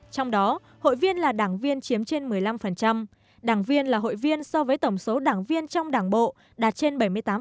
trong đó hội viên là đảng viên chiếm trên một mươi năm đảng viên là hội viên so với tổng số đảng viên trong đảng bộ đạt trên bảy mươi tám